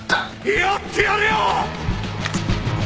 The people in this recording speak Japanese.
やってやるよ！